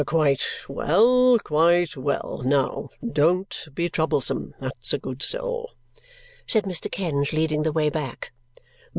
"Quite well, quite well! Now don't be troublesome, that's a good soul!" said Mr. Kenge, leading the way back.